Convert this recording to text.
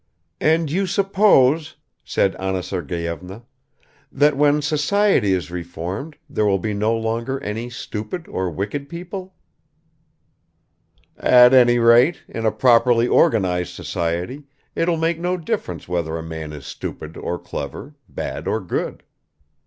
"And you suppose," said Anna Sergeyevna, "that when society is reformed there will be no longer any stupid or wicked people?" "At any rate, in a properly organized society it will make no difference whether a man is stupid or clever, bad or good."